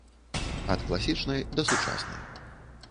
Ад класічнай да сучаснай.